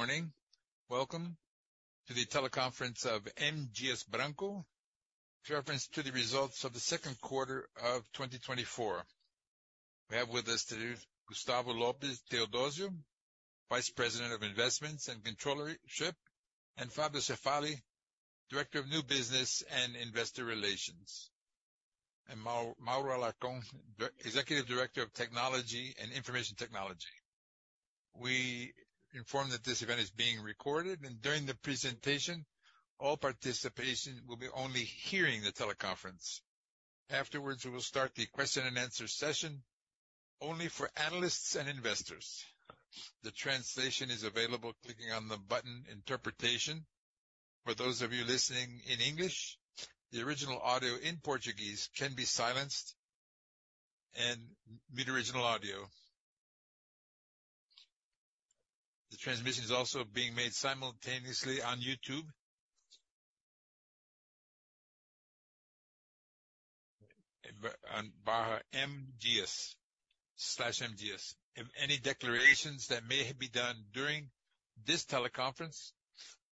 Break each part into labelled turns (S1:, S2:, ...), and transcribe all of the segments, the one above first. S1: Good morning. Welcome to the teleconference of M. Dias Branco, reference to the results of the second quarter of 2024. We have with us today Gustavo Lopes Theodozio, Vice President of Investments and Controllership, and Fabio Cefaly, Director of New Business and Investor Relations, and Mauro Alarcon, Executive Director of Information Technology. We inform that this event is being recorded, and during the presentation, all participation will be only hearing the teleconference. Afterwards, we will start the question-and-answer session only for analysts and investors. The translation is available clicking on the button Interpretation. For those of you listening in English, the original audio in Portuguese can be silenced and mute original audio. The transmission is also being made simultaneously on YouTube. On barra M Dias, slash M Dias. If any declarations that may have been done during this teleconference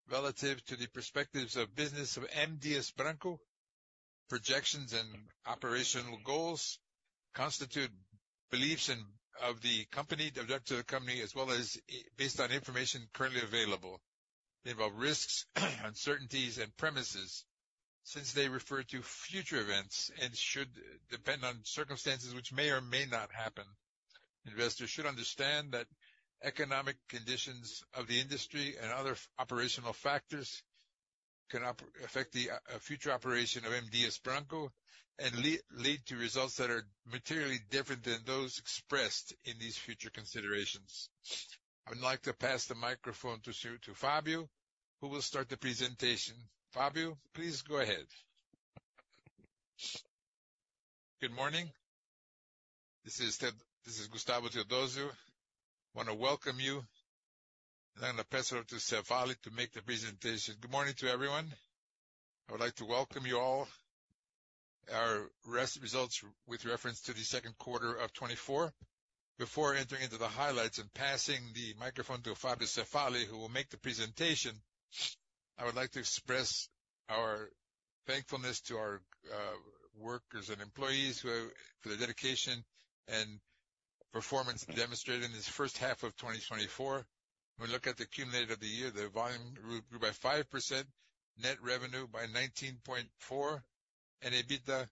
S1: relative to the perspectives of business of M. Dias Branco, projections and operational goals constitute beliefs and of the company, director of the company, as well as based on information currently available. They involve risks, uncertainties and premises, since they refer to future events and should depend on circumstances which may or may not happen. Investors should understand that economic conditions of the industry and other operational factors can affect the, future operation of M. Dias Branco and lead to results that are materially different than those expressed in these future considerations. I would like to pass the microphone to to Fabio, who will start the presentation.
S2: Fabio, please go ahead. Good morning. This is Ted. This is Gustavo Theodozio. I want to welcome you, and I'm going to pass over to Cefaly to make the presentation. Good morning to everyone. I would like to welcome you all. Our best results with reference to the second quarter of 2024. Before entering into the highlights and passing the microphone to Fabio Cefaly, who will make the presentation, I would like to express our thankfulness to our workers and employees for their dedication and performance demonstrated in this first half of 2024. When we look at the cumulative of the year, the volume grew by 5%, net revenue by 19.4, and EBITDA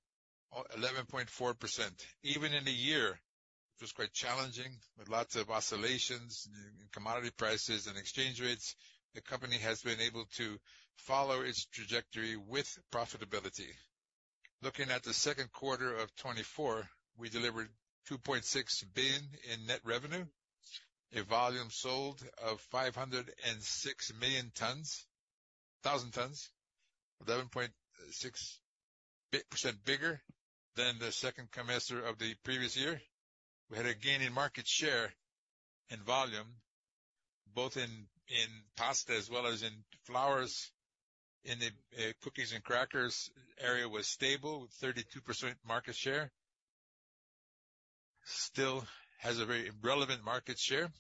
S2: 11.4%. Even in a year, which was quite challenging, with lots of oscillations in commodity prices and exchange rates, the company has been able to follow its trajectory with profitability. Looking at the second quarter of 2024, we delivered 2.6 billion in net revenue, a volume sold of 506 thousand tons, 11.6% bigger than the second semester of the previous year. We had a gain in market share and volume, both in pasta as well as in flours, and the cookies and crackers area was stable, with 32% market share. Still has a very relevant market share.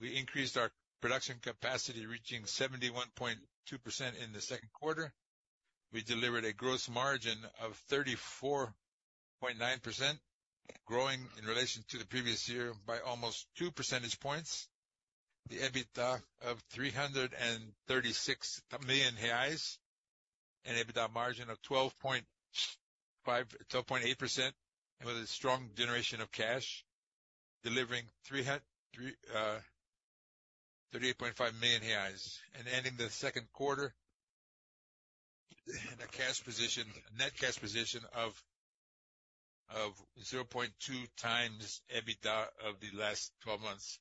S2: We increased our production capacity, reaching 71.2% in the second quarter. We delivered a gross margin of 34.9%, growing in relation to the previous year by almost two percentage points. The EBITDA of 336 million reais, and EBITDA margin of 12.5%-12.8%, and with a strong generation of cash, delivering 38.5 million reais. Ending the second quarter in a net cash position of 0.2x EBITDA of the last twelve months.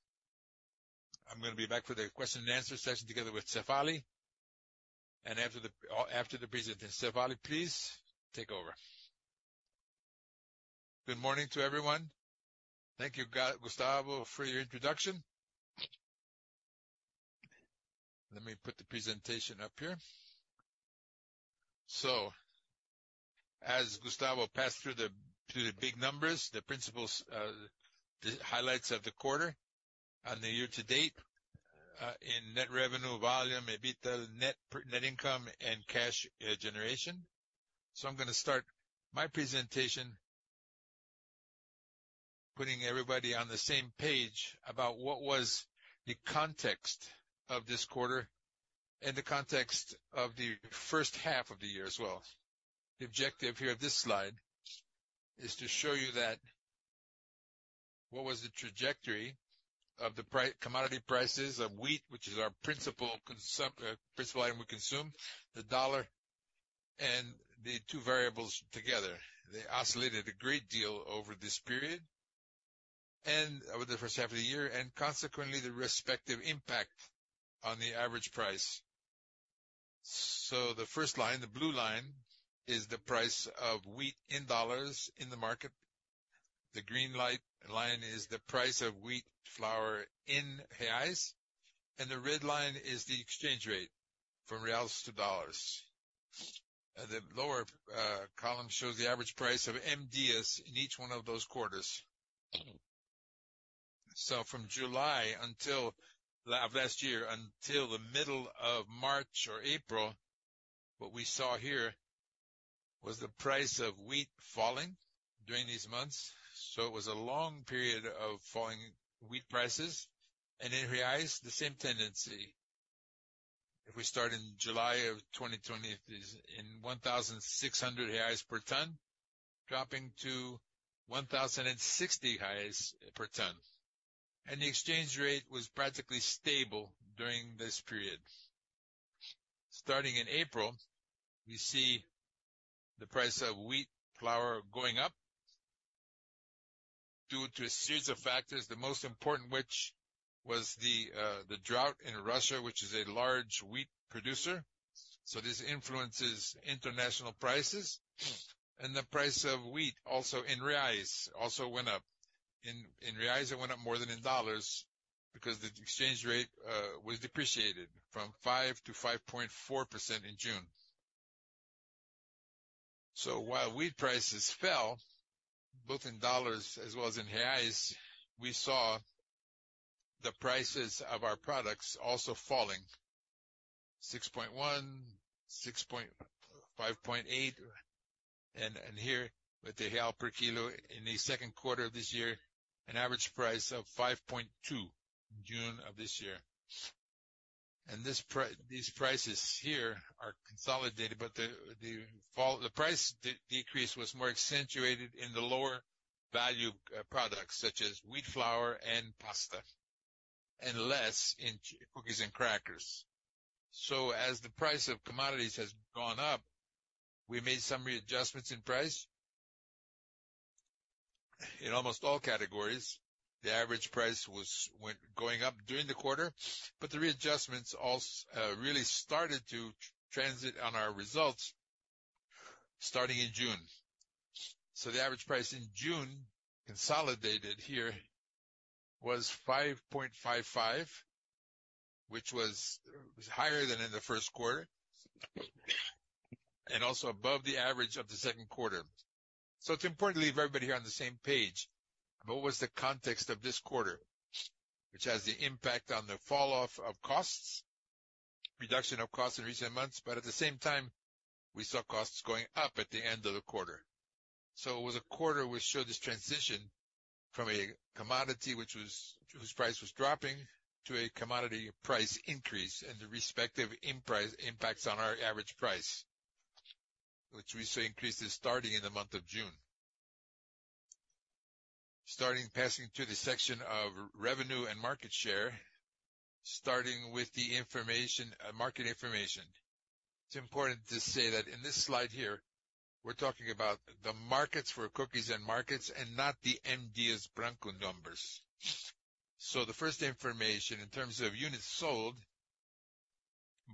S2: I'm gonna be back for the question and answer session together with Cefaly, and after the presentation. Cefaly, please take over. Good morning to everyone.
S3: Thank you, Gustavo, for your introduction. Let me put the presentation up here. So as Gustavo passed through the big numbers, the principles, the highlights of the quarter on the year to date, in net revenue, volume, EBITDA, net income, and cash generation. So I'm gonna start my presentation, putting everybody on the same page about what was the context of this quarter and the context of the first half of the year as well. The objective here of this slide is to show you that what was the trajectory of the primary commodity prices of wheat, which is our principal item we consume, the dollar, and the two variables together. They oscillated a great deal over this period and over the first half of the year, and consequently, the respective impact on the average price. So the first line, the blue line, is the price of wheat in dollars in the market. The green line is the price of wheat flour in reais, and the red line is the exchange rate from reais to dollars. The lower column shows the average price of MDs in each one of those quarters. So from July until late last year, until the middle of March or April, what we saw here was the price of wheat falling during these months. So it was a long period of falling wheat prices, and in reais, the same tendency. If we start in July of 2020, it is in 1,600 BRL/ton, dropping to 1,060 BRL/ton, and the exchange rate was practically stable during this period. Starting in April, we see the price of wheat flour going up due to a series of factors, the most important which was the drought in Russia, which is a large wheat producer. So this influences international prices, and the price of wheat, also in reais, also went up. In reais, it went up more than in dollars because the exchange rate was depreciated from 5%-5.4% in June. So while wheat prices fell both in dollars as well as in reais, we saw the prices of our products also falling 6.1, 5.8, and here, with the BRL per kilo in the second quarter of this year, an average price of 5.2, June of this year. And these prices here are consolidated, but the fall, the price decrease was more accentuated in the lower value products such as wheat flour and pasta, and less in cookies and crackers. So as the price of commodities has gone up, we made some readjustments in price. In almost all categories, the average price was going up during the quarter, but the readjustments also really started to impact on our results starting in June. So the average price in June, consolidated here, was 5.55, which was higher than in the first quarter and also above the average of the second quarter. So it's important to leave everybody here on the same page. What was the context of this quarter, which has the impact on the falloff of costs, reduction of costs in recent months, but at the same time, we saw costs going up at the end of the quarter. So it was a quarter which showed this transition from a commodity, whose price was dropping, to a commodity price increase and the respective impacts on our average price, which we say increases starting in the month of June. Starting passing through the section of revenue and market share, starting with the information, market information. It's important to say that in this slide here, we're talking about the markets for cookies and crackers, and not the M. Dias Branco numbers. So the first information in terms of units sold,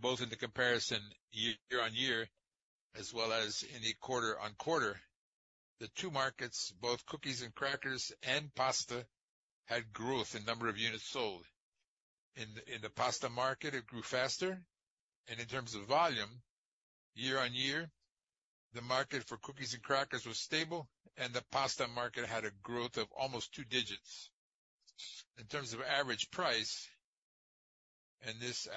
S3: both in the comparison year-on-year as well as in the quarter-on-quarter, the two markets, both cookies and crackers and pasta, had growth in number of units sold. In the pasta market, it grew faster, and in terms of volume, year-on-year, the market for cookies and crackers was stable, and the pasta market had a growth of almost two digits. In terms of average price, and this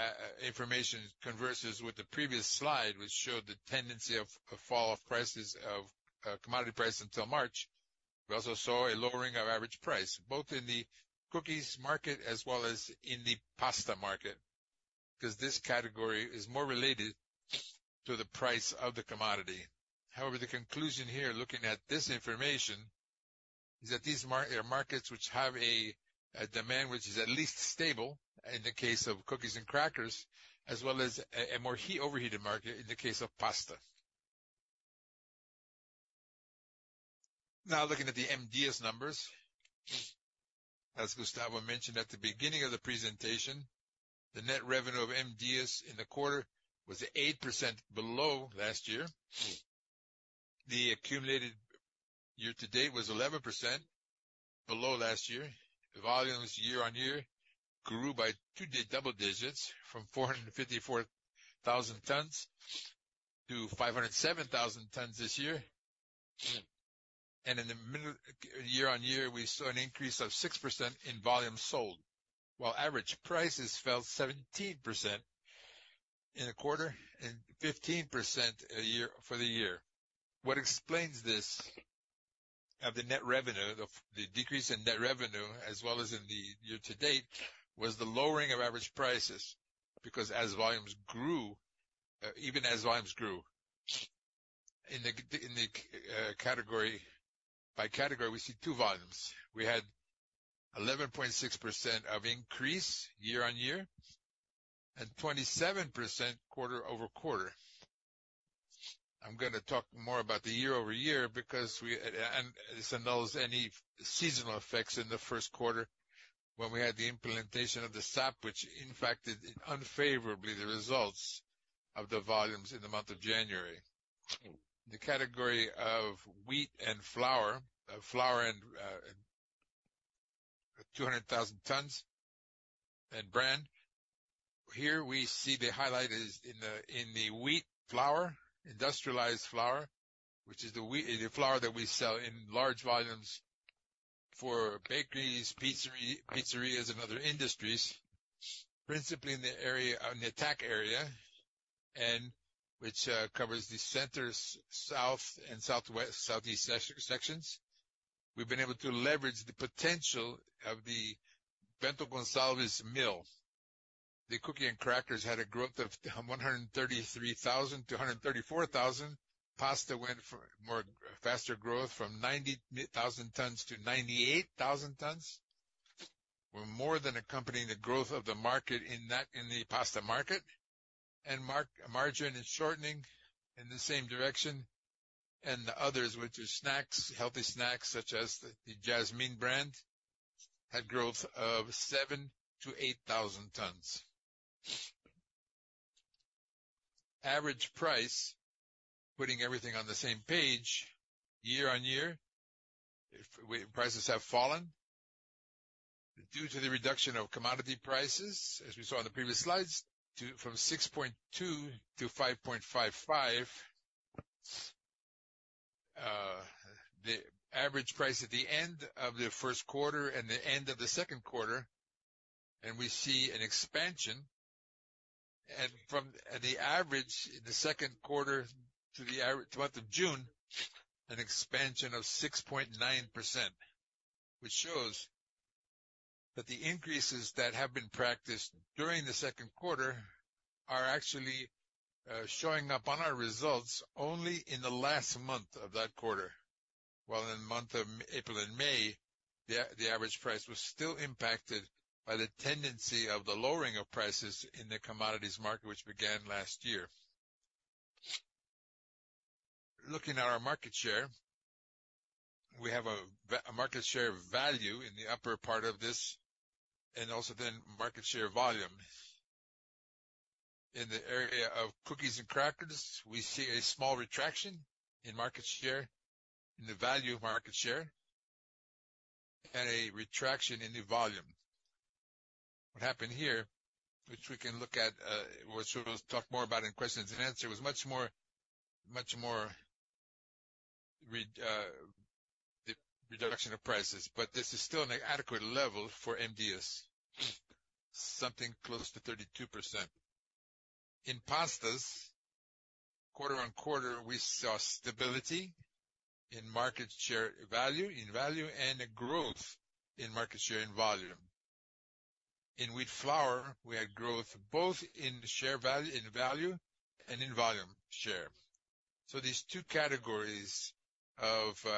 S3: information converses with the previous slide, which showed the tendency of falloff prices of commodity prices until March. We also saw a lowering of average price, both in the cookies market as well as in the pasta market, because this category is more related to the price of the commodity. However, the conclusion here, looking at this information, is that these markets which have a demand which is at least stable in the case of cookies and crackers, as well as a more overheated market in the case of pasta. Now, looking at the M. Dias Branco numbers, as Gustavo mentioned at the beginning of the presentation, the net revenue of M. Dias Branco in the quarter was 8% below last year. The accumulated year-to-date was 11% below last year. Volumes year-on-year grew by double digits, from 454,000 tons-507,000 tons this year. And in the middle, year-on-year, we saw an increase of 6% in volume sold, while average prices fell 17% in a quarter and 15% a year for the year. What explains this, of the net revenue, the decrease in net revenue as well as in the year-to-date, was the lowering of average prices, because as volumes grew, even as volumes grew, in the category, by category, we see two volumes. We had 11.6% increase year-on-year and 27% quarter-over-quarter. I'm gonna talk more about the year-over-year because we and this annuls any seasonal effects in the first quarter when we had the implementation of the SAP, which impacted unfavorably the results of the volumes in the month of January. The category of wheat and flour, flour and 200,000 tons and brand. Here we see the highlight is in the wheat flour, industrialized flour, which is the wheat the flour that we sell in large volumes for bakeries, pizzeria, pizzerias, and other industries, principally in the area, on the attack area, and which covers the center-south and southeast sections. We've been able to leverage the potential of the Bento Gonçalves Mills. The cookie and crackers had a growth of 133,000-134,000. Pasta went for more faster growth, from 90,000 tons-98,000 tons. We're more than accompanying the growth of the market in that, in the pasta market, and margin is shortening in the same direction. The others, which are snacks, healthy snacks, such as the Jasmine brand, had growth of 7,000 tons-8,000 tons. Average price, putting everything on the same page, year-on-year, prices have fallen due to the reduction of commodity prices, as we saw in the previous slides, from 6.2-5.55. The average price at the end of the first quarter and the end of the second quarter, and we see an expansion. And from the average in the second quarter to the month of June, an expansion of 6.9%, which shows that the increases that have been practiced during the second quarter are actually showing up on our results only in the last month of that quarter. While in the month of April and May, the average price was still impacted by the tendency of the lowering of prices in the commodities market, which began last year. Looking at our market share, we have a market share of value in the upper part of this, and also then market share volume. In the area of cookies and crackers, we see a small retraction in market share, in the value of market share, and a retraction in the volume. What happened here, which we can look at, which we'll talk more about in questions and answer, was much more, much more the reduction of prices, but this is still an adequate level for M. Dias, something close to 32%. In pastas, quarter-over-quarter, we saw stability in market share value, in value, and a growth in market share in volume. In wheat flour, we had growth both in share value, in value and in volume share. So these two categories of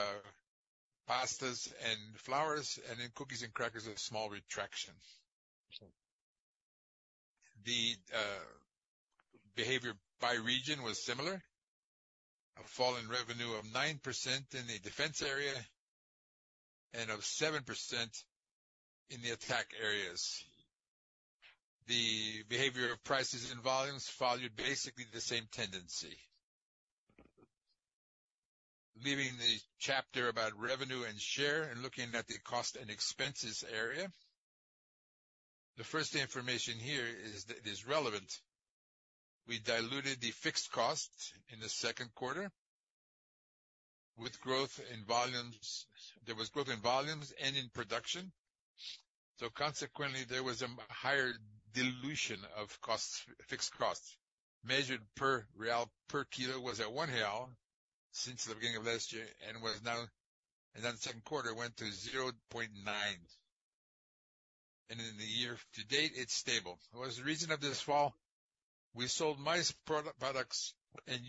S3: pastas and flours, and in cookies and crackers have small retractions. The behavior by region was similar. A fall in revenue of 9% in the defense area and of 7% in the attack areas. The behavior of prices and volumes followed basically the same tendency. Leaving the chapter about revenue and share and looking at the cost and expenses area. The first information here is that it is relevant. We diluted the fixed cost in the second quarter with growth in volumes. There was growth in volumes and in production, so consequently, there was a higher dilution of costs, fixed costs. Measured per real, per kilo, was at 1 real since the beginning of last year and was now. And then the second quarter went to 0.9, and in the year to date, it's stable. What was the reason of this fall? We sold products and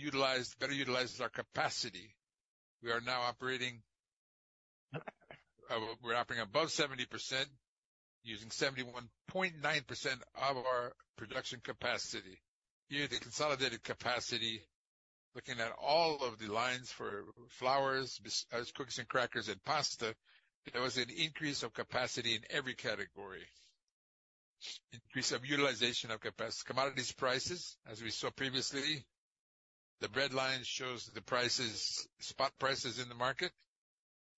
S3: better utilized our capacity. We are now operating. We're operating above 70%, using 71.9% of our production capacity. Here, the consolidated capacity, looking at all of the lines for flours, biscuits, cookies and crackers and pasta, there was an increase of capacity in every category. Increase of utilization of commodities prices, as we saw previously, the red line shows the prices, spot prices in the market,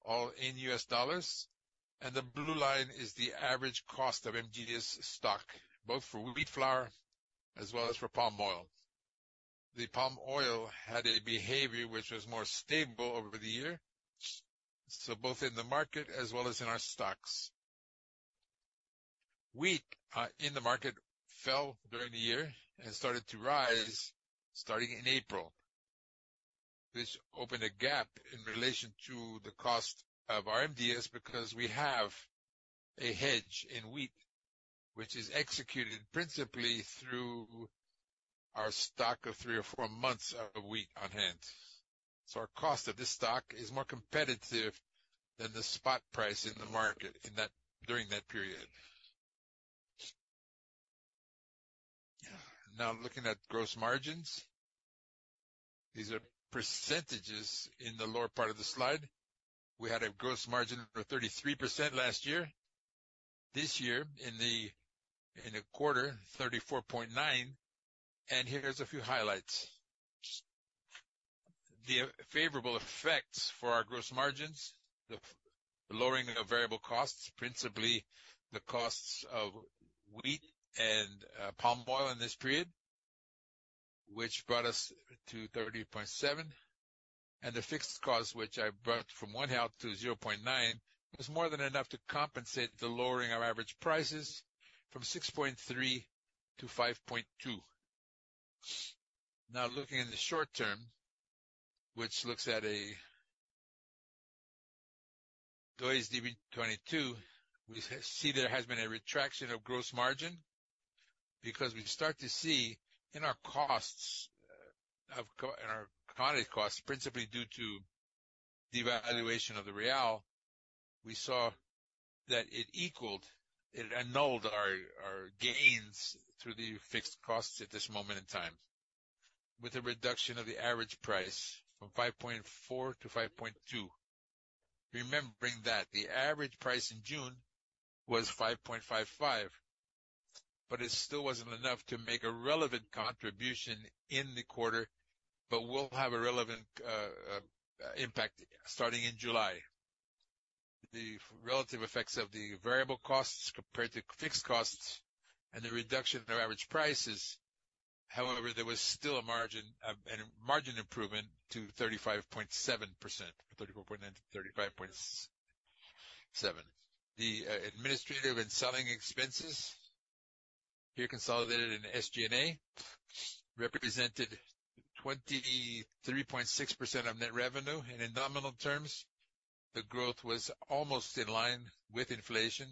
S3: all in U.S. dollars, and the blue line is the average cost of MDB stock, both for wheat flour as well as for palm oil. The palm oil had a behavior which was more stable over the year, so both in the market as well as in our stocks. Wheat, in the market fell during the year and started to rise starting in April, which opened a gap in relation to the cost of our MDB's, because we have a hedge in wheat, which is executed principally through our stock of three or four months of wheat on hand. So our cost of this stock is more competitive than the spot price in the market in that during that period. Now, looking at gross margins, these are percentages in the lower part of the slide. We had a gross margin of 33% last year. This year, in the quarter, 34.9, and here's a few highlights. The favorable effects for our gross margins, the lowering of variable costs, principally the costs of wheat and palm oil in this period, which brought us to 30.7, and the fixed costs, which I brought from 1.7-0.9, was more than enough to compensate the lowering of average prices from 6.3-5.2. Now, looking in the short term, which looks at CBOT 22, we see there has been a retraction of gross margin because we start to see in our costs, of course in our commodity costs, principally due to devaluation of the real, we saw that it equaled- it annulled our, our gains through the fixed costs at this moment in time, with a reduction of the average price from $5.4-$5.2. Remembering that the average price in June was $5.55, but it still wasn't enough to make a relevant contribution in the quarter, but will have a relevant impact starting in July. The relative effects of the variable costs compared to fixed costs and the reduction in our average prices; however, there was still a margin and a margin improvement to 35.7%, 34.9-35.7%. The administrative and selling expenses here consolidated in SG&A represented 23.6% of net revenue, and in nominal terms, the growth was almost in line with inflation,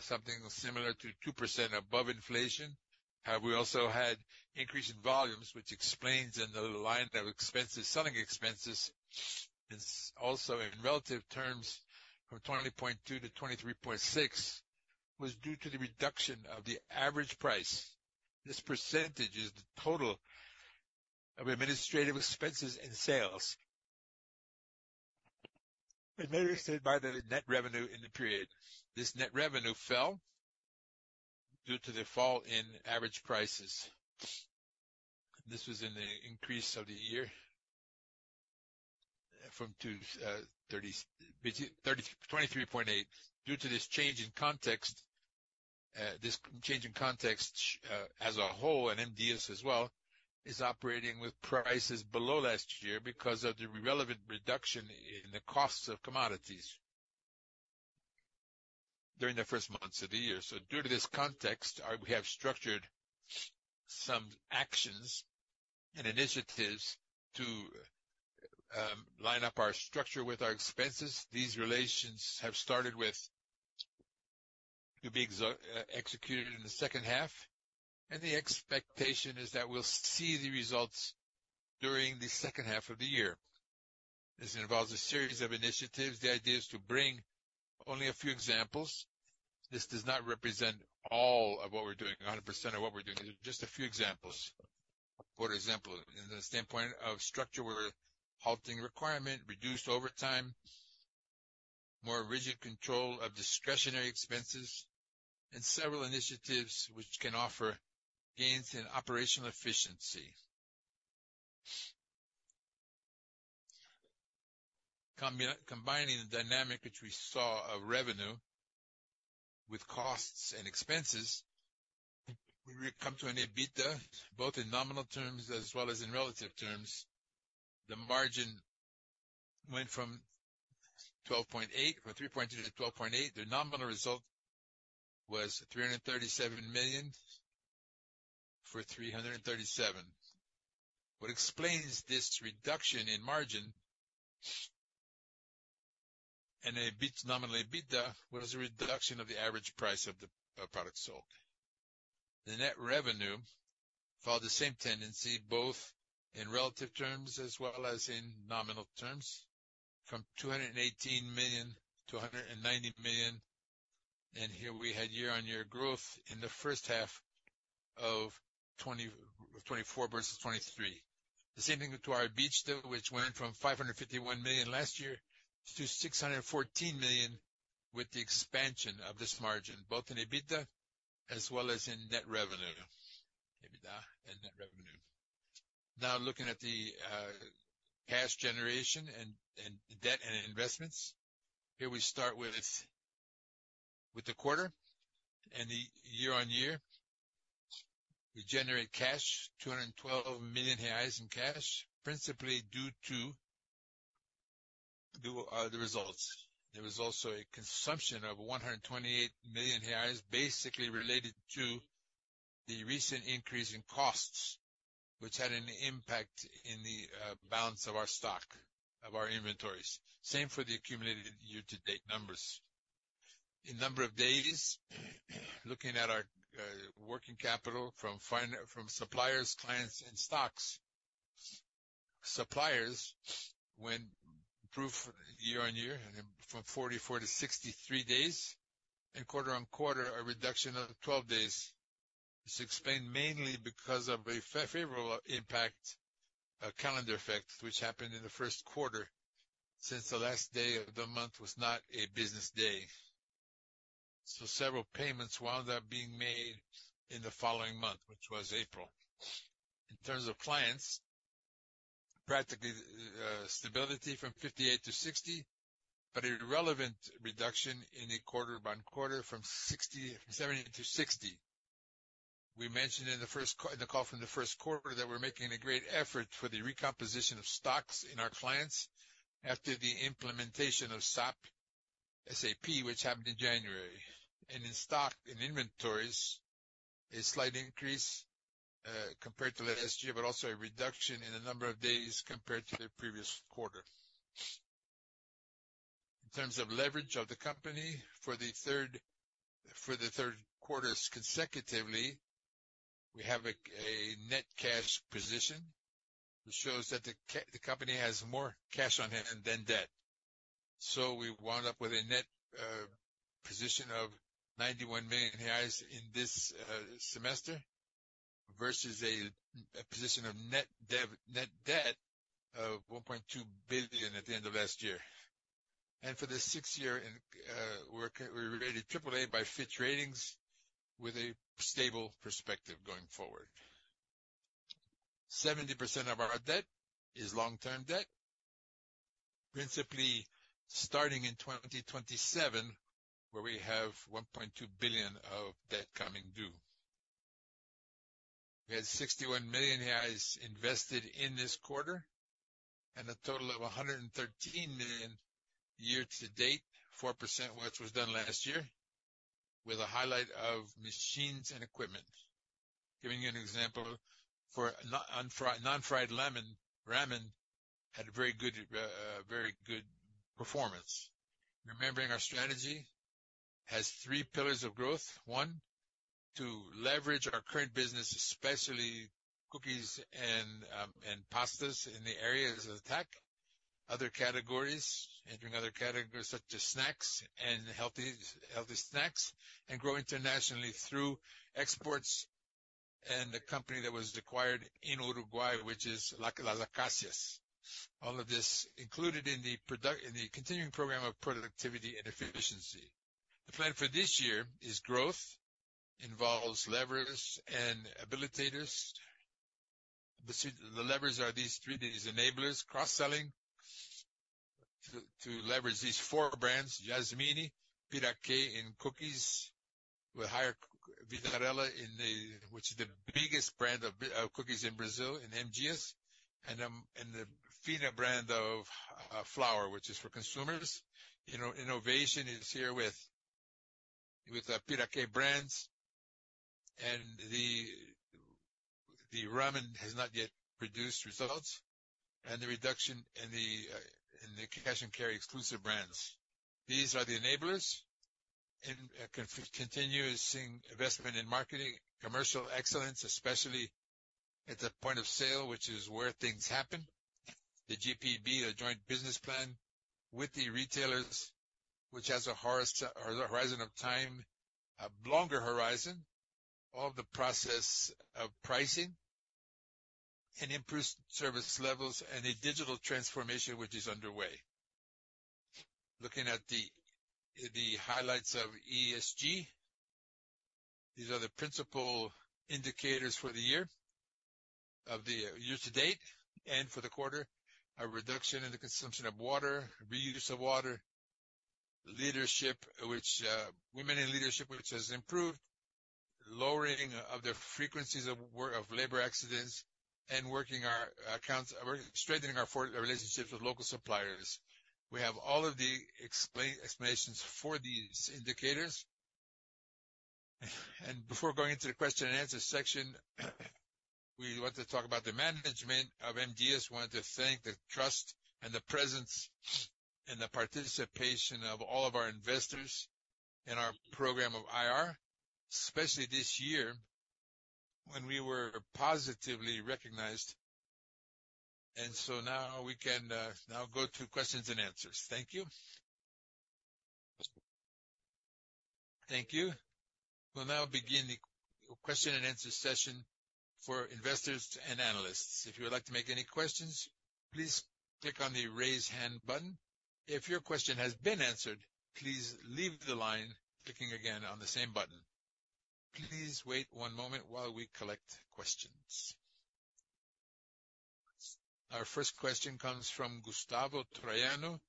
S3: something similar to 2% above inflation. We also had increase in volumes, which explains in the line of expenses, selling expenses, is also in relative terms, from 20.2%-23.6%, was due to the reduction of the average price. This percentage is the total of administrative expenses and sales. Administered by the net revenue in the period. This net revenue fell due to the fall in average prices. This was the increase of the year from 2.3-23.8. Due to this change in context, this change in context, as a whole, and M. Dias as well, is operating with prices below last year because of the relevant reduction in the costs of commodities during the first months of the year. So due to this context, we have structured some actions and initiatives to line up our structure with our expenses. These realignments have started to be executed in the second half, and the expectation is that we'll see the results during the second half of the year. This involves a series of initiatives. The idea is to bring only a few examples. This does not represent all of what we're doing, 100% of what we're doing, just a few examples. For example, in the standpoint of structure, we're halting requirement, reduced overtime, more rigid control of discretionary expenses, and several initiatives which can offer gains in operational efficiency. Combining the dynamic which we saw of revenue with costs and expenses, we come to an EBITDA, both in nominal terms as well as in relative terms. The margin went from 12.8 or 3.2-12.8. The nominal result was 337 million for 337. What explains this reduction in margin? And EBITDA, nominal EBITDA, was a reduction of the average price of the product sold. The net revenue followed the same tendency, both in relative terms as well as in nominal terms, from 218-190 million, and here we had year-on-year growth in the first half of 2024 versus 2023. The same thing to our EBITDA, which went from 551 million last year to 614 million, with the expansion of this margin, both in EBITDA as well as in net revenue. EBITDA and net revenue. Now, looking at the cash generation and debt and investments. Here we start with the quarter and the year-on-year. We generate cash, 212 million reais in cash, principally due to the results. There was also a consumption of 128 million reais, basically related to the recent increase in costs, which had an impact in the balance of our stock, of our inventories. Same for the accumulated year-to-date numbers. In number of days, looking at our working capital from suppliers, clients, and stocks. Suppliers went through year-on-year from 44-63 days, and quarter-on-quarter, a reduction of 12 days. This explained mainly because of a favorable impact, a calendar effect, which happened in the first quarter since the last day of the month was not a business day. So several payments wound up being made in the following month, which was April. In terms of clients, practically, stability from 58-60, but a relevant reduction quarter-by-quarter from 70-60. We mentioned in the call from the first quarter, that we're making a great effort for the recomposition of stocks in our clients after the implementation of SAP, which happened in January. In stocks, in inventories, a slight increase compared to last year, but also a reduction in the number of days compared to the previous quarter. In terms of leverage of the company, for the third quarters consecutively, we have a net cash position, which shows that the company has more cash on hand than debt. We wound up with a net position of 91 million reais in this semester, versus a position of net debt of 1.2 billion at the end of last year. For this sixth year in, we're rated AAA by Fitch Ratings, with a stable outlook going forward. 70% of our debt is long-term debt, principally starting in 2027, where we have 1.2 billion of debt coming due. We had 61 million invested in this quarter, and a total of 113 million year to date, 4%, which was done last year, with a highlight of machines and equipment. Giving you an example, for non-fried Lámen had a very good performance. Remember, our strategy has three pillars of growth. One, to leverage our current business, especially cookies and pastas in the areas of attack. Other categories, entering other categories such as snacks and healthy, healthy snacks, and grow internationally through exports, and the company that was acquired in Uruguay, which is Las Acacias. All of this included in the product in the continuing program of productivity and efficiency. The plan for this year is growth, involves levers and habilitators. The levers are these three, these enablers: cross-selling, to leverage these four brands, Jasmine, Piraquê in cookies, with higher Vitarella in the... Which is the biggest brand of of cookies in Brazil, in MGS, and, and the Finna brand of, flour, which is for consumers. Innovation is here with, with the Piraquê brands, and the, the ramen has not yet produced results, and the reduction in the, in the cash and carry exclusive brands. These are the enablers, and continuous investment in marketing, commercial excellence, especially at the point of sale, which is where things happen. The GPB, the joint business plan with the retailers, which has a horizon of time, a longer horizon, all the process of pricing and improved service levels and a digital transformation, which is underway. Looking at the highlights of ESG, these are the principal indicators for the year, of the year to date and for the quarter, a reduction in the consumption of water, reuse of water, leadership, which women in leadership, which has improved, lowering of the frequencies of labor accidents, and working our accounts, strengthening our relationships with local suppliers. We have all of the explanations for these indicators. Before going into the question and answer section, we want to talk about the management of ESG. We want to thank the trust and the presence, and the participation of all of our investors in our program of IR, especially this year, when we were positively recognized. So now we can, now go to questions and answers. Thank you.
S1: Thank you. We'll now begin the question-and-answer session for investors and analysts. If you would like to make any questions, please click on the Raise Hand button. If your question has been answered, please leave the line, clicking again on the same button. Please wait one moment while we collect questions. Our first question comes from Gustavo Troyano,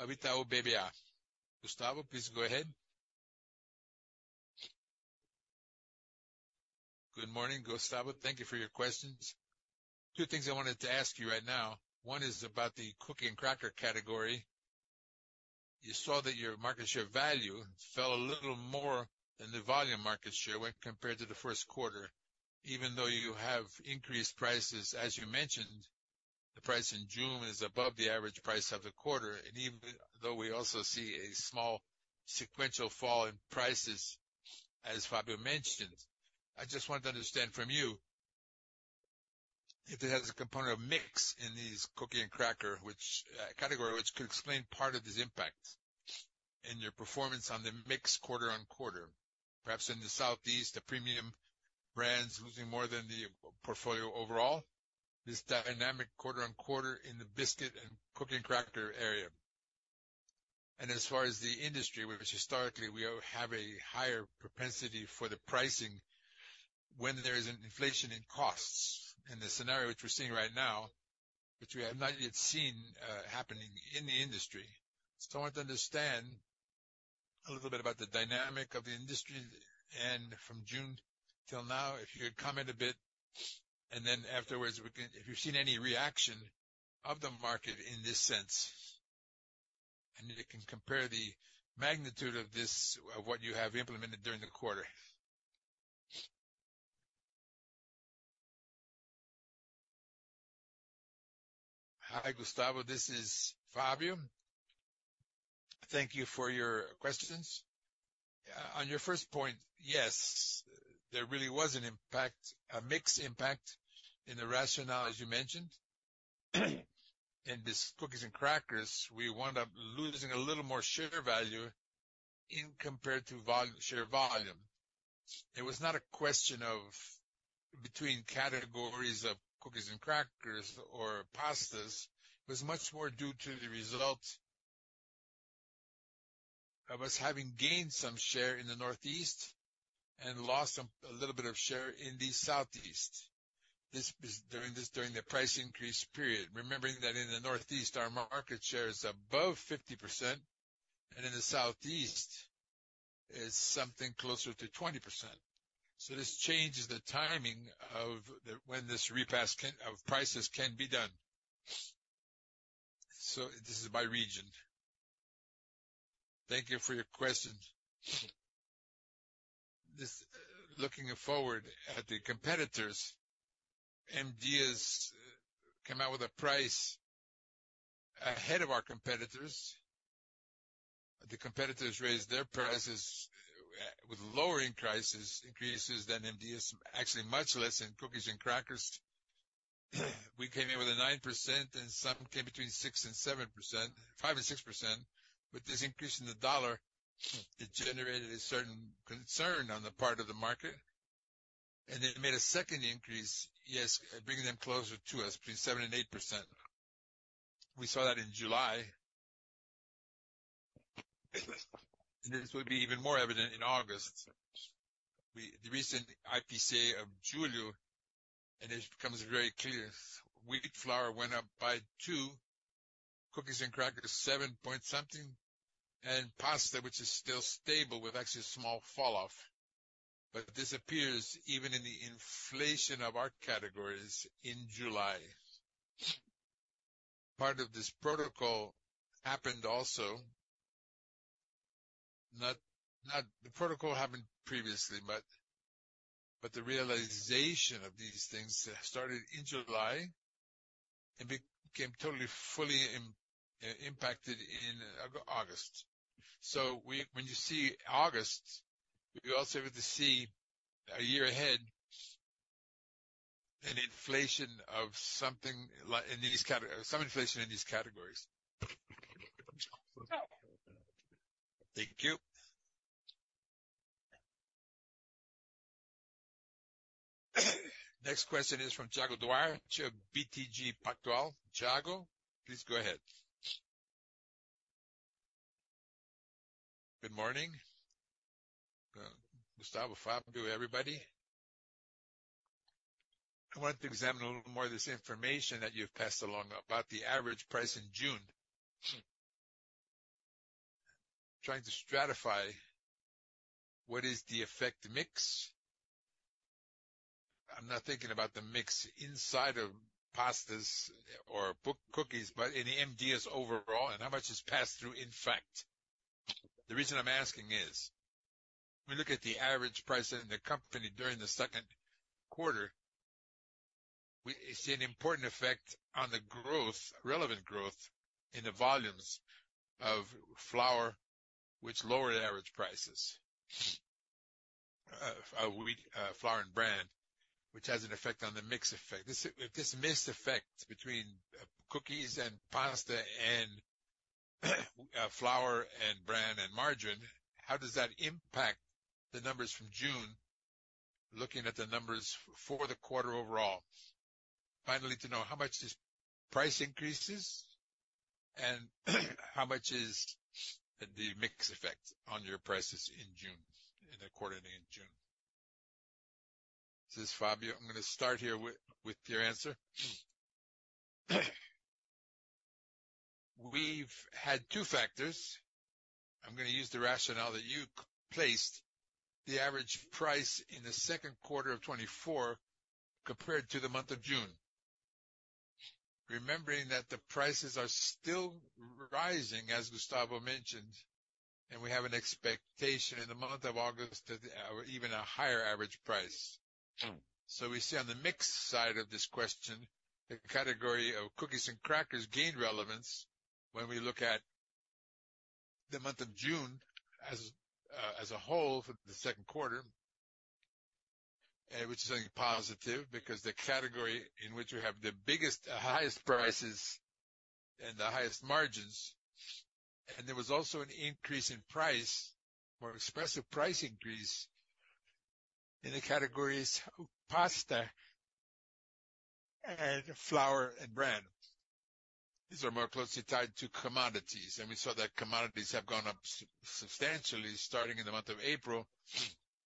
S1: Itaú BBA. Gustavo, please go ahead.
S4: Good morning, Gustavo. Thank you for your questions. Two things I wanted to ask you right now. One is about the cookie and cracker category. You saw that your market share value fell a little more than the volume market share when compared to the first quarter, even though you have increased prices, as you mentioned, the price in June is above the average price of the quarter, and even though we also see a small sequential fall in prices, as Fabio mentioned. I just want to understand from you, if it has a component of mix in these cookie and cracker, which, category, which could explain part of this impact in your performance on the mix quarter-over-quarter?perhaps in the Southeast, the premium brands losing more than the portfolio overall? This dynamic quarter-over-quarter in the biscuit and cookie and cracker area. As far as the industry, which historically, we have a higher propensity for the pricing when there is an inflation in costs, and the scenario which we're seeing right now, which we have not yet seen happening in the industry. So I want to understand a little bit about the dynamic of the industry, and from June till now, if you could comment a bit, and then afterwards, we can if you've seen any reaction of the market in this sense, and it can compare the magnitude of this, of what you have implemented during the quarter.
S3: Hi, Gustavo, this is Fabio. Thank you for your questions. On your first point, yes, there really was an impact, a mixed impact in the rationale, as you mentioned. In this cookies and crackers, we wound up losing a little more share value compared to share volume. It was not a question between categories of cookies and crackers or pastas. It was much more due to the result of us having gained some share in the Northeast and lost some, a little bit of share in the Southeast. This was during this, during the price increase period. Remembering that in the Northeast, our market share is above 50%, and in the Southeast, it's something closer to 20%. So this changes the timing of when this repass of prices can be done. So this is by region. Thank you for your question. Looking forward at the competitors, MGS came out with a price ahead of our competitors. The competitors raised their prices with lower price increases than MGS, actually much less in cookies and crackers. We came in with a 9%, and some came between 6% and 7%-5% and 6%. With this increase in the dollar, it generated a certain concern on the part of the market, and it made a second increase, yes, bringing them closer to us, between 7 and 8%. We saw that in July. This will be even more evident in August. We, the recent IPCA of July, and it becomes very clear, wheat flour went up by 2%, cookies and crackers, 7 point something%, and pasta, which is still stable, with actually a small falloff. But this appears even in the inflation of our categories in July. Part of this protocol happened also. The protocol happened previously, but, but the realization of these things started in July and became totally, fully impacted in August. So when you see August, you're also able to see a year ahead an inflation of something like some inflation in these categories.
S4: Thank you.
S1: Next question is from Thiago Duarte, BTG Pactual. Thiago, please go ahead.
S5: Good morning, Gustavo, Fabio, everybody. I wanted to examine a little more this information that you've passed along about the average price in June. Trying to stratify what is the effect mix. I'm not thinking about the mix inside of pastas or biscuits-cookies, but in the MGS overall, and how much is passed through, in fact. The reason I'm asking is, we look at the average price in the company during the second quarter, we see an important effect on the growth, relevant growth, in the volumes of flour, which lowered average prices. Wheat flour and bran, which has an effect on the mix effect. This mix effect between cookies and pasta and flour and bran and margarine, how does that impact the numbers from June, looking at the numbers for the quarter overall? Finally, to know how much is price increases and how much is the mix effect on your prices in June, in the quarter ending in June?
S3: This is Fabio. I'm gonna start here with your answer. We've had two factors. I'm gonna use the rationale that you placed the average price in the second quarter of 2024 compared to the month of June. Remembering that the prices are still rising, as Gustavo mentioned, and we have an expectation in the month of August that even a higher average price. So we see on the mix side of this question, the category of cookies and crackers gain relevance when we look at the month of June as, as a whole for the second quarter. And which is something positive, because the category in which we have the biggest, highest prices and the highest margins, and there was also an increase in price or expressive price increase in the categories of pasta and flour and bread. These are more closely tied to commodities, and we saw that commodities have gone up substantially starting in the month of April,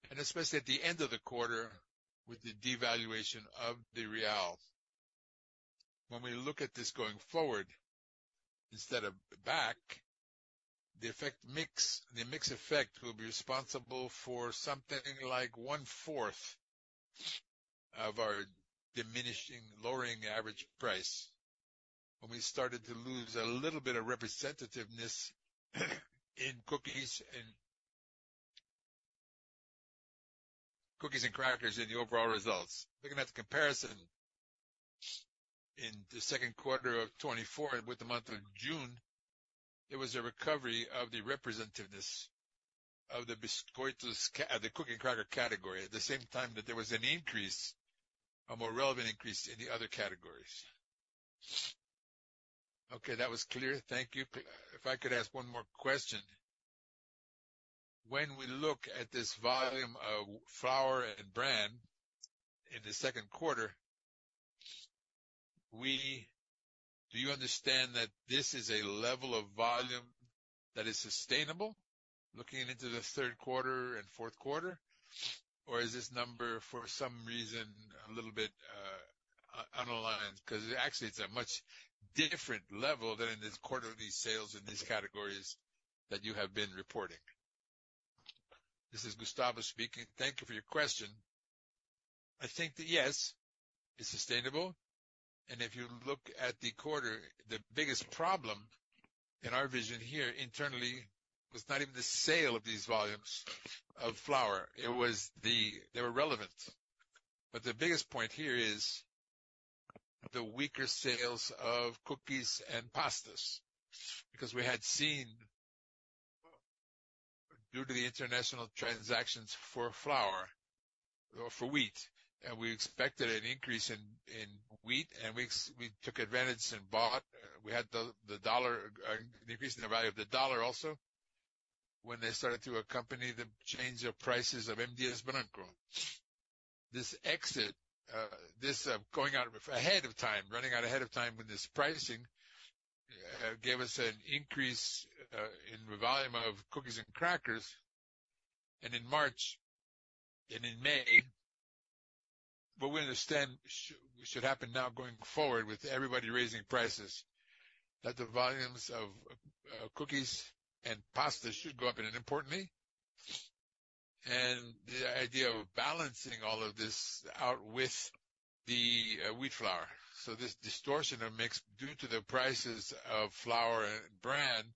S3: and especially at the end of the quarter, with the devaluation of the real. When we look at this going forward, instead of back, the mix effect will be responsible for something like one-fourth of our diminishing, lowering average price. When we started to lose a little bit of representativeness in cookies and cookies and crackers in the overall results. Looking at the comparison in the second quarter of 2024 and with the month of June, there was a recovery of the representativeness of the biscoitos, the cookie, cracker category. At the same time that there was an increase, a more relevant increase in the other categories.
S5: Okay, that was clear. Thank you. If I could ask one more question. When we look at this volume of flour and brand in the second quarter, do you understand that this is a level of volume that is sustainable, looking into the third quarter and fourth quarter? Or is this number, for some reason, a little bit, unaligned? Because actually, it's a much different level than in this quarterly sales in these categories that you have been reporting.
S2: This is Gustavo speaking. Thank you for your question. I think that, yes, it's sustainable, and if you look at the quarter, the biggest problem in our vision here internally was not even the sale of these volumes of flour. It was the... They were relevant, but the biggest point here is the weaker sales of cookies and pastas, because we had seen due to the international transactions for flour, or for wheat, and we expected an increase in wheat, and we took advantage and bought. We had the dollar, an increase in the value of the dollar also, when they started to accompany the change of prices of M. Dias Branco. Going ahead of time with this pricing gave us an increase in the volume of cookies and crackers, and in March and in May. But we understand should happen now, going forward, with everybody raising prices, that the volumes of cookies and pasta should go up, and importantly, the idea of balancing all of this out with the wheat flour. So this distortion or mix, due to the prices of flour and brands,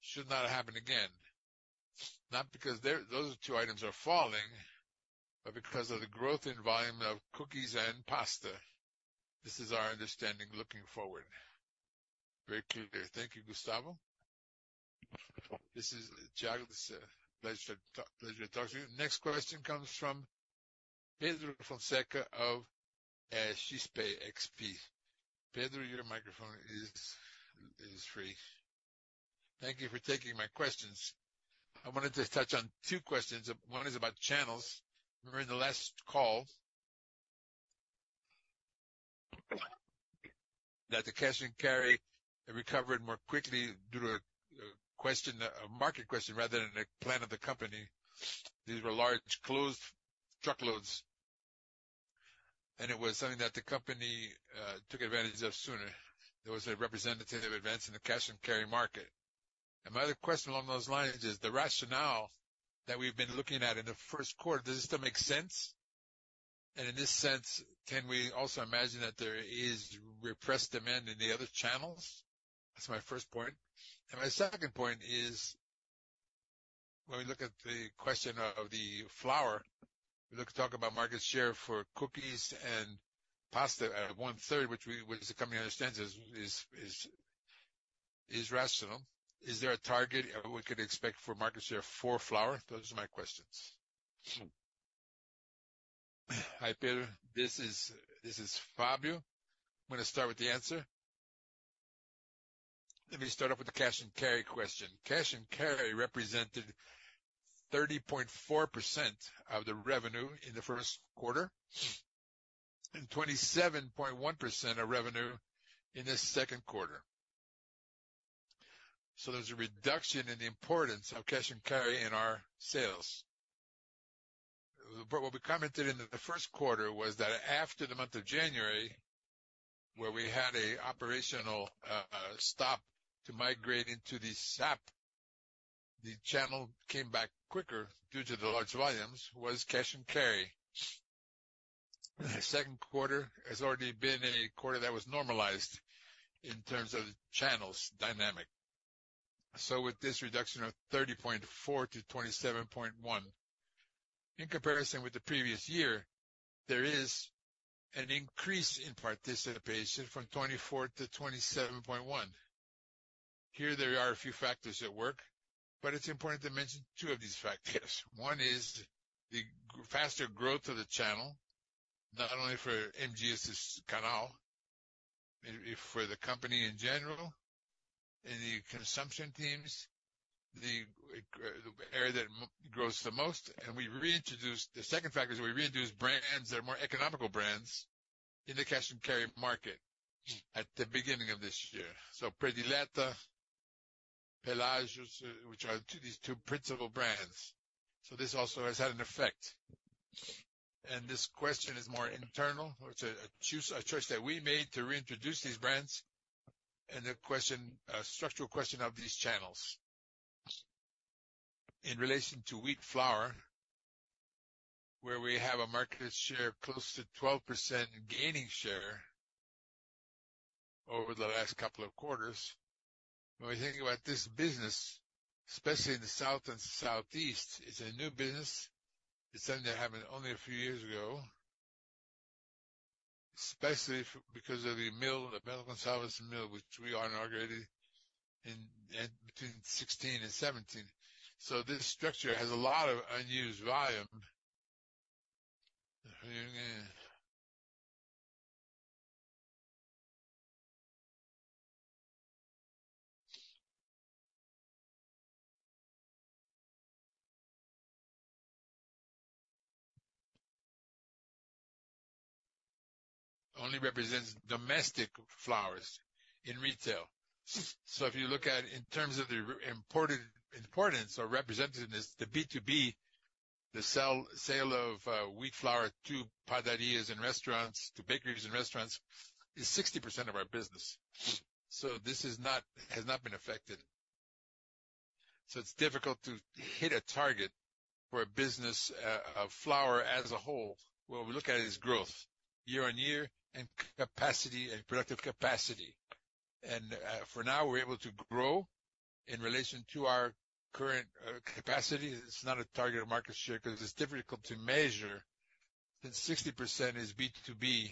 S2: should not happen again. Not because they're those two items are falling, but because of the growth in volume of cookies and pasta. This is our understanding looking forward.
S5: Very clear. Thank you, Gustavo. This is Thiago. This, pleasure to talk, pleasure to talk to you.
S1: Next question comes from Pedro Fonseca of XP. Pedro, your microphone is free.
S6: Thank you for taking my questions. I wanted to touch on two questions. One is about channels. Remember, in the last call... that the cash and carry recovered more quickly due to a market question, rather than a plan of the company. These were large closed truckloads, and it was something that the company took advantage of sooner. There was a representative advance in the cash and carry market. And my other question along those lines is, the rationale that we've been looking at in the first quarter, does this still make sense? And in this sense, can we also imagine that there is repressed demand in the other channels? That's my first point. My second point is, when we look at the question of the flour, we look to talk about market share for cookies and pasta at 1/3, which the company understands is rational. Is there a target we could expect for market share for flour? Those are my questions.
S3: Hi, Pedro, this is Fabio. I'm gonna start with the answer. Let me start off with the cash and carry question. Cash and carry represented 30.4% of the revenue in the first quarter, and 27.1% of revenue in this second quarter. So there's a reduction in the importance of cash and carry in our sales. But what we commented in the first quarter was that after the month of January, where we had an operational stop to migrate into the SAP, the channel came back quicker due to the large volumes, was cash and carry. Second quarter has already been a quarter that was normalized in terms of the channel's dynamic. So with this reduction of 30.4-27.1, in comparison with the previous year, there is an increase in participation from 24-27.1. Here, there are a few factors at work, but it's important to mention two of these factors. One is the faster growth of the channel, not only for MGS Canal, but for the company in general, in the consumption teams, the area that grows the most. The second factor is we reintroduced brands that are more economical brands in the cash and carry market at the beginning of this year. So Predilleto, Pelaggio, which are these two principal brands. So this also has had an effect. This question is more internal. It's a choice that we made to reintroduce these brands, and a question, a structural question of these channels. In relation to wheat flour, where we have a market share close to 12%, gaining share over the last couple of quarters. When we think about this business, especially in the South and Southeast, it's a new business. It started to happen only a few years ago, especially because of the mill, the Bento Gonçalves Mill, which we inaugurated in between 2016 and 2017. So this structure has a lot of unused volume. Only represents domestic flours in retail. So if you look at in terms of the imported importance or representativeness, the B2B, the sale of wheat flour to padarias and restaurants, to bakeries and restaurants, is 60% of our business. So this is not, has not been affected. So it's difficult to hit a target for a business of flour as a whole, where we look at it as growth, year-on-year, and capacity and productive capacity. And for now, we're able to grow in relation to our current capacity. It's not a target of market share, because it's difficult to measure, that 60% is B2B,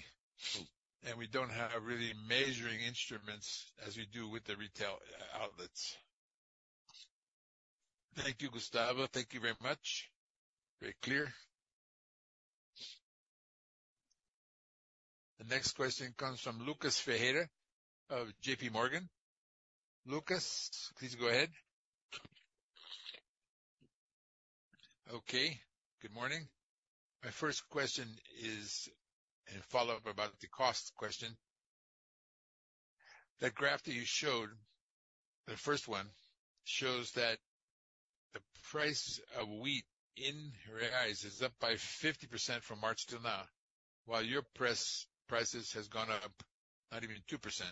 S3: and we don't have really measuring instruments as we do with the retail outlets.
S6: Thank you, Gustavo. Thank you very much. Very clear.
S1: The next question comes from Lucas Ferreira of JP Morgan. Lucas, please go ahead.
S7: Okay, good morning. My first question is a follow-up about the cost question. The graph that you showed, the first one, shows that the price of wheat in reais is up by 50% from March till now, while your prices has gone up not even 2%.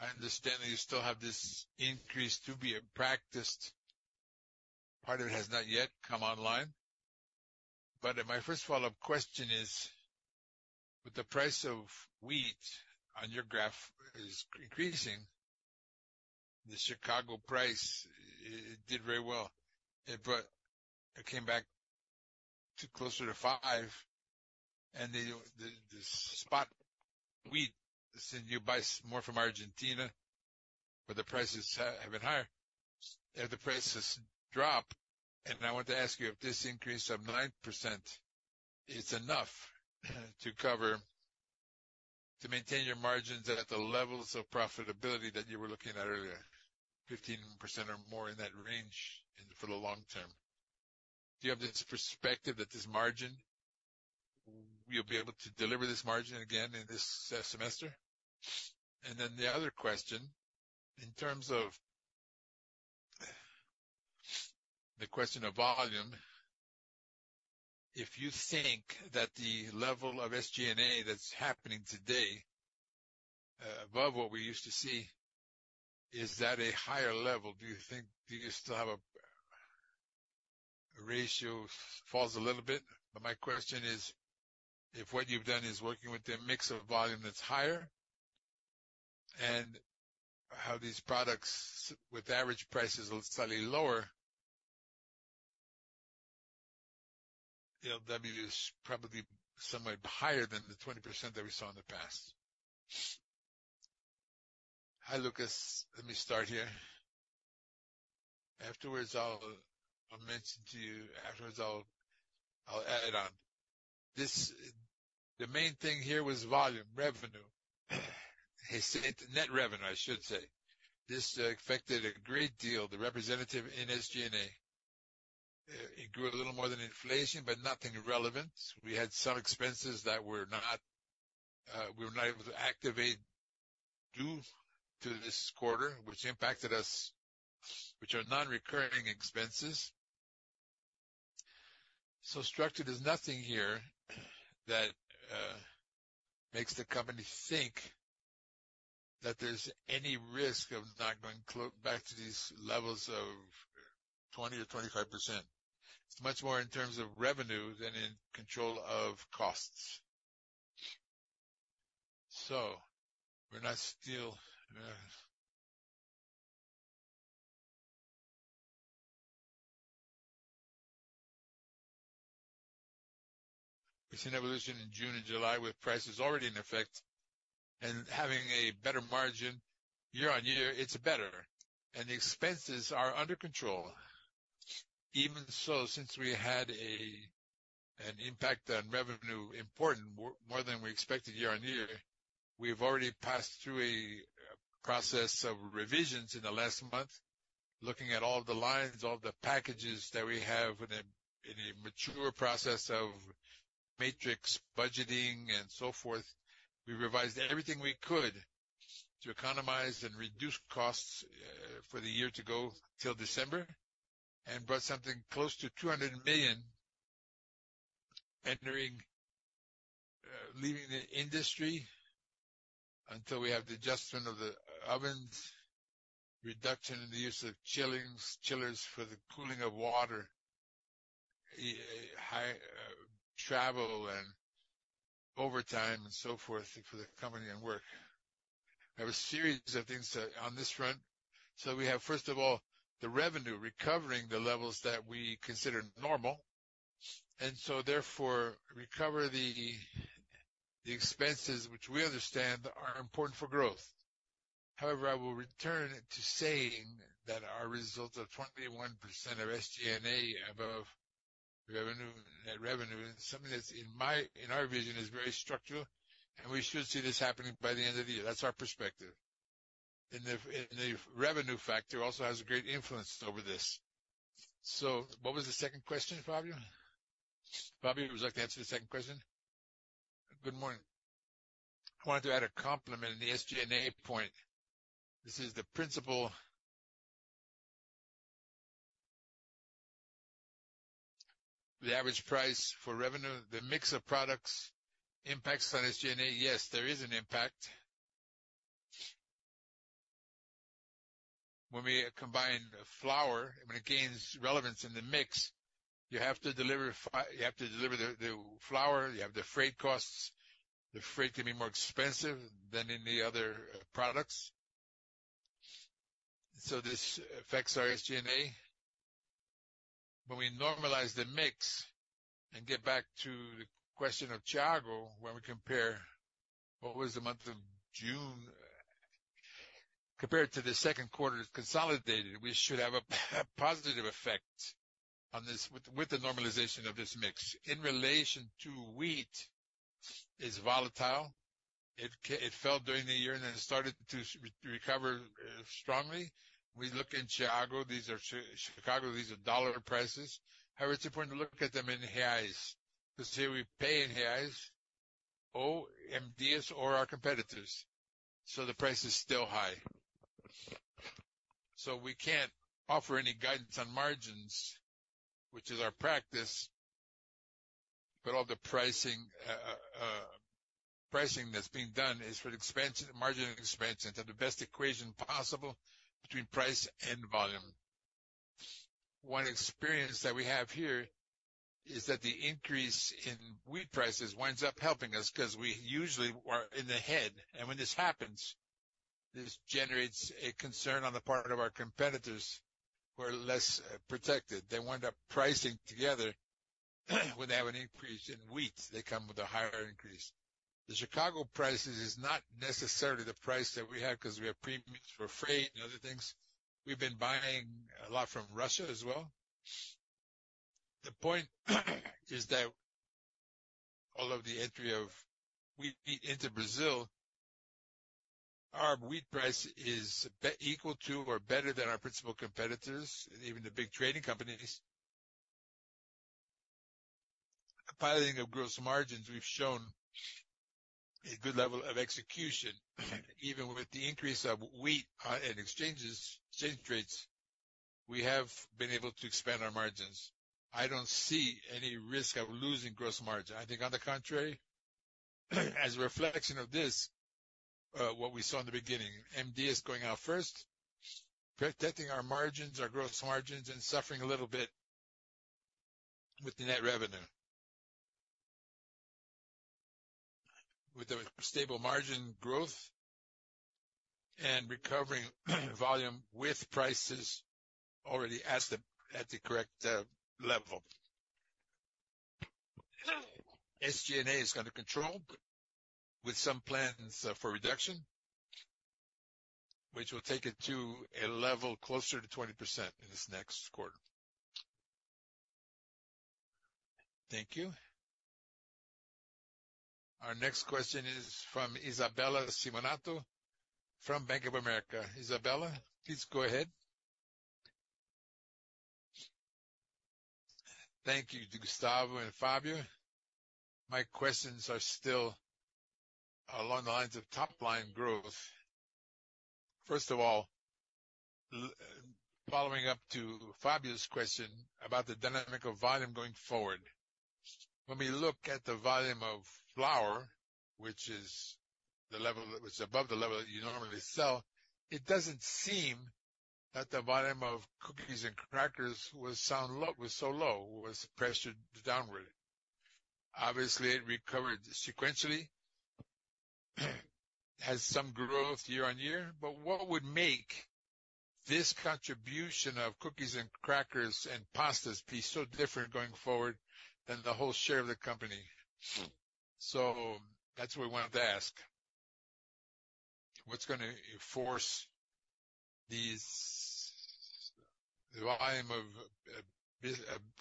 S7: I understand that you still have this increase to be practiced. Part of it has not yet come online. But my first follow-up question is, with the price of wheat on your graph is increasing, the Chicago price did very well, but it came back to closer to $5, and the spot wheat, since you buy more from Argentina, where the prices have been higher. If the prices drop, and I want to ask you, if this increase of 9% is enough to cover to maintain your margins at the levels of profitability that you were looking at earlier, 15% or more in that range in, for the long term? Do you have this perspective that this margin, you'll be able to deliver this margin again in this, semester? And then the other question, in terms of the question of volume, if you think that the level of SG&A that's happening today, above what we used to see, is that a higher level? Do you think do you still have a, a ratio falls a little bit? But my question is, if what you've done is working with a mix of volume that's higher, and how these products with average prices slightly lower, you know, that means probably somewhat higher than the 20% that we saw in the past.
S2: Hi, Lucas. Let me start here. Afterwards, I'll mention to you. Afterwards, I'll add on. This. The main thing here was volume, revenue. It's net revenue, I should say. This affected a great deal, the representative in SG&A. It grew a little more than inflation, but nothing relevant. We had some expenses that were not, we were not able to activate due to this quarter, which impacted us, which are non-recurring expenses. So structured, there's nothing here that makes the company think that there's any risk of not going back to these levels of 20%-25%. It's much more in terms of revenue than in control of costs. So we're not still. We've seen evolution in June and July with prices already in effect, and having a better margin year-on-year, it's better, and the expenses are under control. Even so, since we had an impact on revenue important, more, more than we expected year-on-year, we've already passed through a process of revisions in the last month. Looking at all the lines, all the packages that we have in a mature process of matrix budgeting and so forth, we revised everything we could to economize and reduce costs for the year to go till December, and brought something close to 200 million entering leaving the industry, until we have the adjustment of the ovens, reduction in the use of chillings, chillers for the cooling of water, hire travel and overtime, and so forth, for the company and work. I have a series of things on this front. So we have, first of all, the revenue, recovering the levels that we consider normal, and so therefore, recover the expenses, which we understand are important for growth. However, I will return to saying that our results are 21% of SG&A above revenue, net revenue, and something that's in my-- in our vision, is very structural, and we should see this happening by the end of the year. That's our perspective. And the, and the revenue factor also has a great influence over this. So what was the second question, Fabio? Fabio, would you like to answer the second question?
S3: Good morning. I wanted to add a compliment on the SG&A point. This is the principle... The average price for revenue, the mix of products impacts on SG&A. Yes, there is an impact. When we combine flour, when it gains relevance in the mix, you have to deliver the, the flour, you have the freight costs. The freight can be more expensive than any other products. So this affects our SG&A. When we normalize the mix and get back to the question of Chicago, when we compare what was the month of June compared to the second quarter consolidated, we should have a positive effect on this with the normalization of this mix. In relation to wheat, it's volatile. It fell during the year and then started to recover strongly. We look in Chicago, these are Chicago US dollar prices. However, it's important to look at them in reais, because here we pay in reais, OMDs or our competitors. So the price is still high. So we can't offer any guidance on margins, which is our practice, but all the pricing that's being done is for expansion, margin expansion, to have the best equation possible between price and volume. One experience that we have here is that the increase in wheat prices winds up helping us, 'cause we usually are in the head. When this happens, this generates a concern on the part of our competitors who are less protected. They wind up pricing together, when they have an increase in wheat, they come with a higher increase. The Chicago prices is not necessarily the price that we have, 'cause we have premiums for freight and other things. We've been buying a lot from Russia as well. The point is that all of the entry of wheat into Brazil, our wheat price is equal to or better than our principal competitors, and even the big trading companies. Compiling of gross margins, we've shown a good level of execution. Even with the increase of wheat, and exchanges, exchange rates, we have been able to expand our margins. I don't see any risk of losing gross margin. I think, on the contrary, as a reflection of this, what we saw in the beginning, MD is going out first, protecting our margins, our gross margins, and suffering a little bit with the net revenue. With a stable margin growth and recovering volume with prices already at the correct level. SG&A is under control with some plans for reduction, which will take it to a level closer to 20% in this next quarter.
S1: Thank you. Our next question is from Isabella Simonato, from Bank of America. Isabella, please go ahead.
S8: Thank you, Gustavo and Fabio. My questions are still along the lines of top-line growth. First of all, following up to Fabio's question about the dynamic of volume going forward. When we look at the volume of flour, which is the level that which is above the level that you normally sell, it doesn't seem that the volume of cookies and crackers was sound low, was so low, was pressured downward. Obviously, it recovered sequentially. It has some growth year-on-year, but what would make this contribution of cookies and crackers and pastas be so different going forward than the whole share of the company? So that's what we wanted to ask. What's gonna force these, the volume of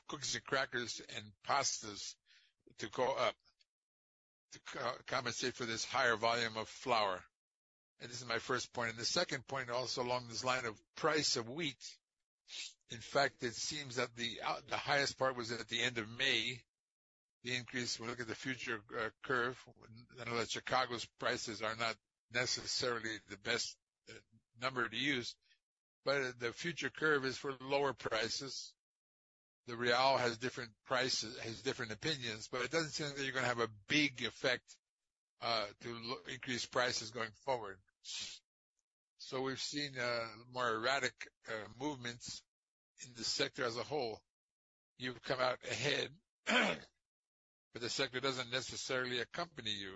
S8: cookies and crackers and pastas to go up, to co-compensate for this higher volume of flour? And this is my first point, and the second point, also along this line of price of wheat. In fact, it seems that the highest part was at the end of May, the increase, when we look at the future curve, I know that Chicago's prices are not necessarily the best number to use, but the future curve is for lower prices. The real has different prices, has different opinions, but it doesn't seem that you're gonna have a big effect to increase prices going forward. So we've seen more erratic movements in the sector as a whole. You've come out ahead, but the sector doesn't necessarily accompany you.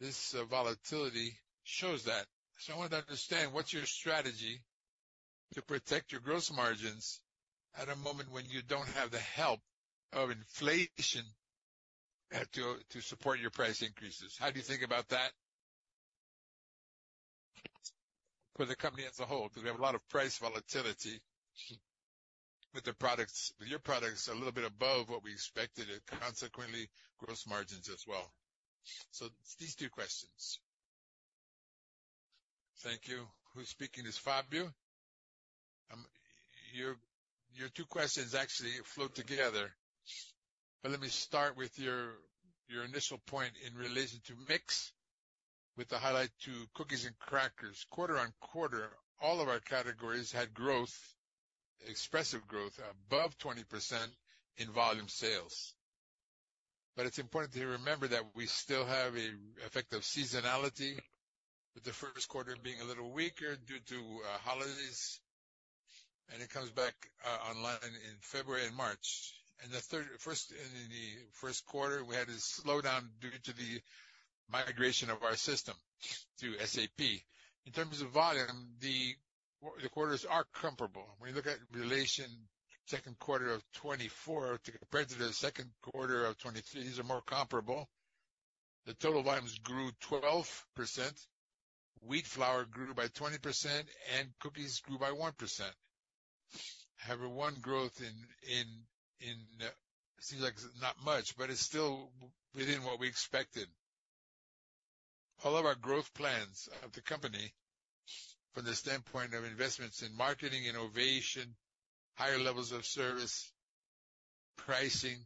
S8: This volatility shows that. So I wanted to understand, what's your strategy to protect your gross margins at a moment when you don't have the help of inflation to support your price increases? How do you think about that for the company as a whole? Because we have a lot of price volatility with the products, with your products, a little bit above what we expected and consequently, gross margins as well. So these two questions.
S3: Thank you. Who's speaking is Fabio. Your two questions actually flow together, but let me start with your initial point in relation to mix, with the highlight to cookies and crackers. Quarter-on-quarter, all of our categories had growth, expressive growth, above 20% in volume sales. But it's important to remember that we still have a effect of seasonality, with the first quarter being a little weaker due to holidays, and it comes back online in February and March. In the first quarter, we had a slowdown due to the migration of our system to SAP. In terms of volume, the quarters are comparable. When you look in relation to the second quarter of 2024 compared to the second quarter of 2023, these are more comparable. The total volumes grew 12%, wheat flour grew by 20%, and cookies grew by 1%. However, 1% growth seems like not much, but it's still within what we expected. All of our growth plans of the company, from the standpoint of investments in marketing, innovation, higher levels of service, pricing,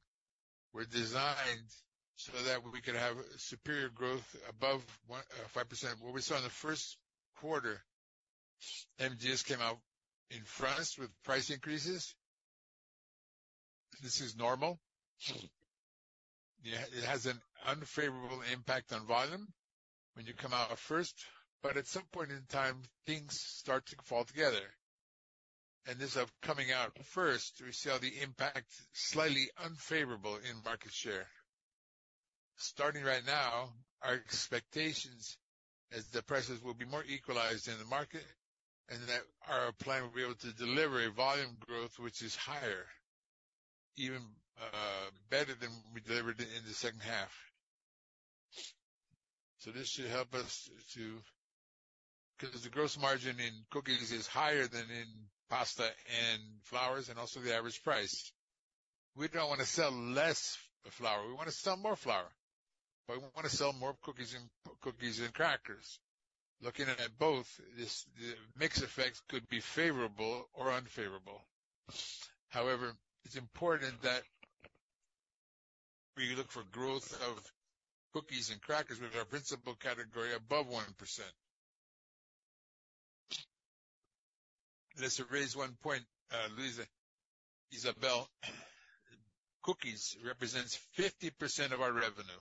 S3: were designed so that we could have superior growth above 15%. What we saw in the first quarter, the company came out in front with price increases. This is normal. Yeah, it has an unfavorable impact on volume when you come out at first, but at some point in time, things start to fall into place. And this coming out first, we see how the impact slightly unfavorable in market share. Starting right now, our expectations as the prices will be more equalized in the market, and that our plan will be able to deliver a volume growth which is higher, even, better than we delivered in the second half. So this should help us to... 'cause the gross margin in cookies is higher than in pasta and flours, and also the average price. We don't want to sell less flour, we wanna sell more flour, but we wanna sell more cookies and, cookies and crackers. Looking at both, this, the mix effects could be favorable or unfavorable. However, it's important that we look for growth of cookies and crackers, which are our principal category above 1%.
S2: Let's raise one point, Luisa, Isabel. Cookies represents 50% of our revenue.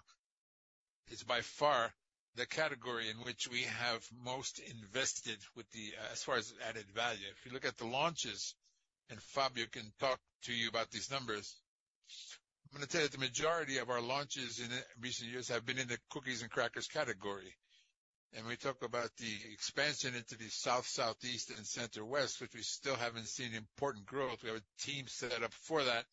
S2: It's by far the category in which we have most invested with the, as far as added value. If you look at the launches, and Fabio can talk to you about these numbers, I'm gonna tell you that the majority of our launches in the recent years have been in the cookies and crackers category. We talk about the expansion into the South, Southeast and Central West, which we still haven't seen important growth. We have a team set up for that.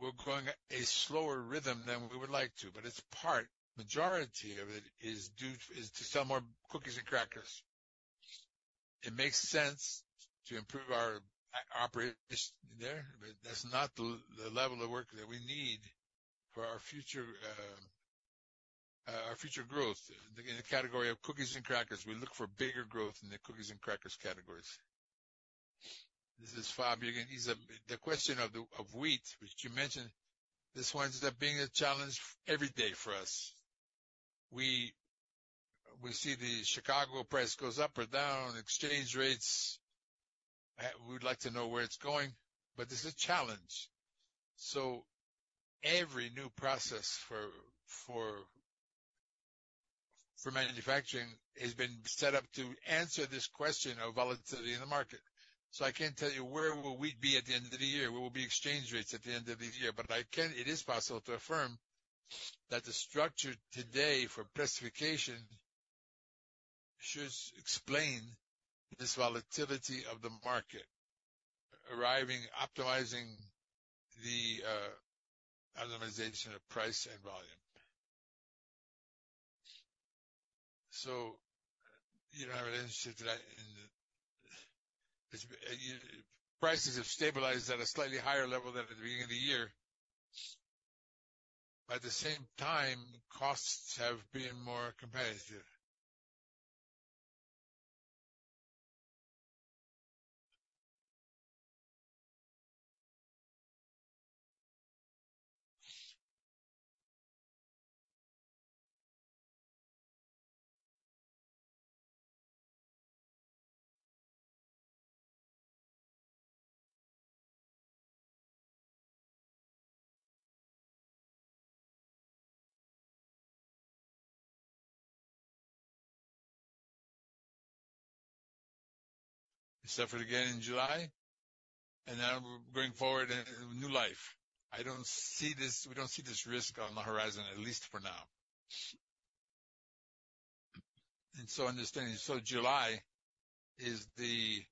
S2: We're growing at a slower rhythm than we would like to, but it's part, majority of it is due to, is to sell more cookies and crackers. It makes sense to improve our operation there, but that's not the level of work that we need for our future, our future growth. In the category of cookies and crackers, we look for bigger growth in the cookies and crackers categories.
S3: This is Fabio again. The question of the wheat, which you mentioned, this winds up being a challenge every day for us. We see the Chicago price goes up or down, exchange rates. We'd like to know where it's going, but it's a challenge. So every new process for manufacturing has been set up to answer this question of volatility in the market. So I can't tell you where will we be at the end of the year, where will be exchange rates at the end of this year, but I can. It is possible to affirm that the structure today for classification should explain this volatility of the market, arriving, optimizing the optimization of price and volume.
S8: So you don't have an answer to that, and it's prices have stabilized at a slightly higher level than at the beginning of the year. At the same time, costs have been more competitive. We suffered again in July, and now we're going forward in a new life. I don't see this. We don't see this risk on the horizon, at least for now. And so understanding, so July is the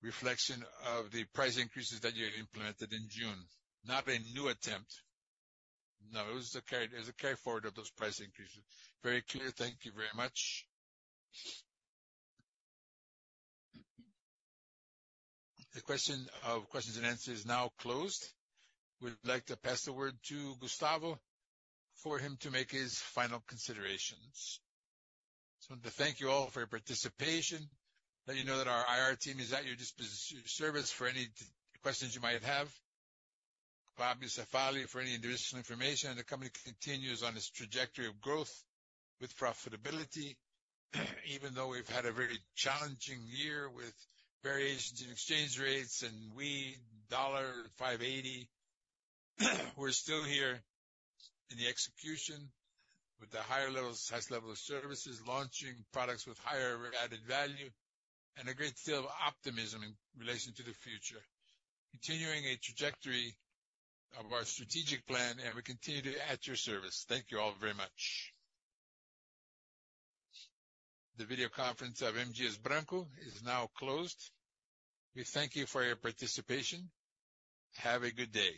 S8: reflection of the price increases that you implemented in June, not a new attempt?
S3: No, it was a carry, it was a carry forward of those price increases.
S8: Very clear. Thank you very much.
S1: The question of questions-and-answers is now closed. We'd like to pass the word to Gustavo for him to make his final considerations.
S2: Just want to thank you all for your participation, let you know that our IR team is at your disposal for any questions you might have. Fabio Cefaly, for any additional information, and the company continues on its trajectory of growth with profitability, even though we've had a very challenging year with variations in exchange rates, and the $5.80. We're still here in the execution with the higher levels, highest level of services, launching products with higher added value and a great deal of optimism in relation to the future, continuing a trajectory of our strategic plan, and we continue to be at your service. Thank you all very much. The video conference of M. Dias Branco is now closed. We thank you for your participation. Have a good day.